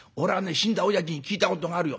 死んだおやじに聞いたことがあるよ。